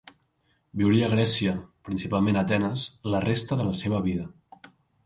Viuria a Grècia -principalment Atenes- la resta de la seva vida.